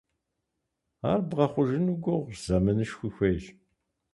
Ар бгъэхъужыну гугъущ, зэманышхуи хуейщ.